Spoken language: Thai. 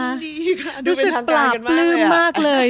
รู้สึกปลับหลืมมากเลย